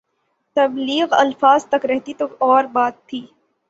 تبلیغ الفاظ تک رہتی تو اور بات تھی۔